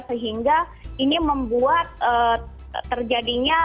sehingga ini membuat terjadinya